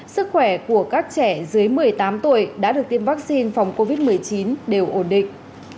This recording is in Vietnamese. sức khỏe của các trẻ dưới một mươi tám tuổi đã được tiêm vaccine phòng covid một mươi chín đều ổn định